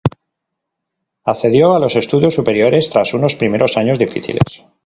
Accedió a los estudios superiores tras unos primeros años difíciles.